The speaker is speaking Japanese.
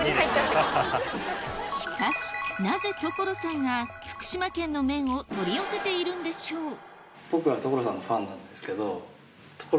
しかしなぜ所さんが福島県の麺を取り寄せているんでしょう？